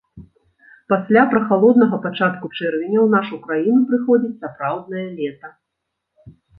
Пасля прахалоднага пачатку чэрвеня ў нашу краіну прыходзіць сапраўднае лета.